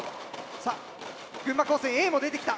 さあ群馬高専Ａも出てきた。